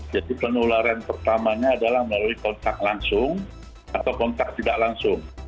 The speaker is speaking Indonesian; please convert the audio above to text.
jadi penularan pertamanya adalah melalui kontak langsung atau kontak tidak langsung